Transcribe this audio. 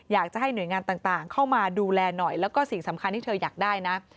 อยากจะให้หน่วยงานต่างเข้ามาดูแลหน่อยแล้วก็สิ่งสำคัญที่เธออยากได้นะ